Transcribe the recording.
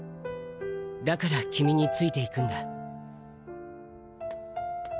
だから君について行くんだ。